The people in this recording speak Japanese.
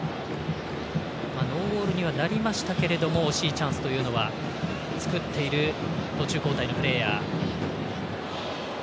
ノーゴールにはなりましたけども惜しいチャンスというのは作っている途中交代のプレーヤー。